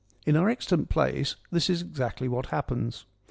In our extant plays this is exactly what happens.